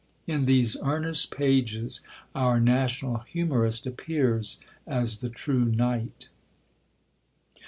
In these earnest pages, our national humorist appears as the true knight.